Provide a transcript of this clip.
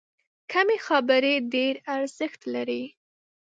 کمې خبرې، ډېر ارزښت لري.